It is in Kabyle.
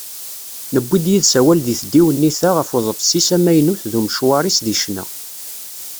Newwi-d yid-s awal deg tdiwennit-a ɣef uḍebsi-s amaynut d umecwaṛ-is deg ccna.